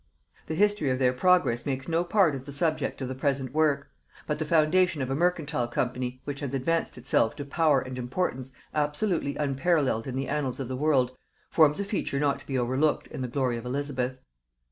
The history of their progress makes no part of the subject of the present work; but the foundation of a mercantile company which has advanced itself to power and importance absolutely unparalleled in the annals of the world, forms a feature not to be overlooked in the glory of Elizabeth.